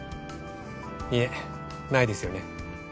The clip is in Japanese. いえないですよね。